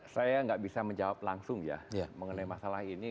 saya nggak bisa menjawab langsung ya mengenai masalah ini